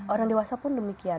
orang dewasa pun demikian